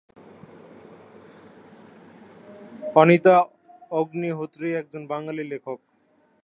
অনিতা অগ্নিহোত্রী একজন বাঙালি লেখক।